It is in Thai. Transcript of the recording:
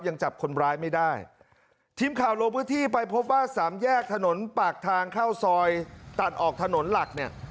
ยังจับคนร้ายไม่ได้ทีมข่าวลงพื้นที่ไปพบว่าสามแยกถนนปากทางเข้าซอยตัดออกถนนหลักเนี่ย